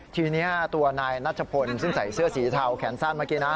ทีนี้ตัวนายนัชพลซึ่งใส่เสื้อสีเทาแขนสั้นเมื่อกี้นะ